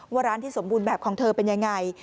ว่าร้านที่สมบูรณ์แบบของเธอเป็นยังไง